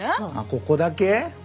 ここだけ？